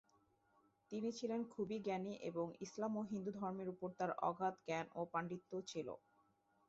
তিনি ছিলেন খুবই জ্ঞানী এবং ইসলাম ও হিন্দু ধর্মের ওপর তার অগাধ জ্ঞান ও পাণ্ডিত্য ছিল।